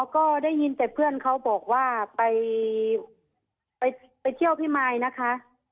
ก็ได้ยินแต่เพื่อนเขาบอกว่าไปเที่ยวพี่มายนะคะ